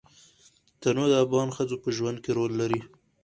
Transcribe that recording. تنوع د افغان ښځو په ژوند کې رول لري.